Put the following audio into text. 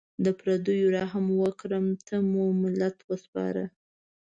د پردیو رحم و کرم ته مو ملت وسپاره.